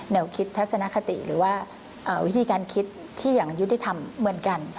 คิดทัศนคติหรือว่าวิธีการคิดที่อย่างยุติธรรมเหมือนกัน